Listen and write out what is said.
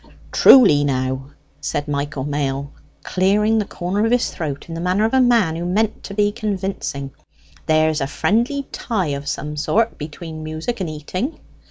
"Truly, now," said Michael Mail, clearing the corner of his throat in the manner of a man who meant to be convincing; "there's a friendly tie of some sort between music and eating."